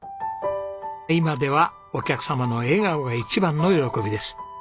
今ではお客様の笑顔が一番の喜びです。